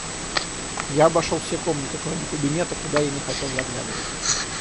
Я обошел все комнаты, кроме кабинета, куда я не хотел заглядывать.